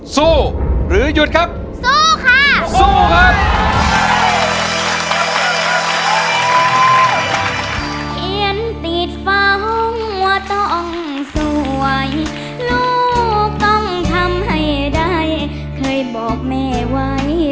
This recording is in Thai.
สู้หรือหยุดครับสู้ค่ะสู้ครับ